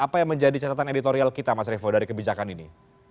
apa yang menjadi catatan editorial kita mas revo dari kebijakan ini